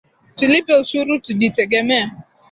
Tulipe ushuru tujitegemee